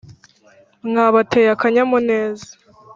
mwabateye akanyamuneza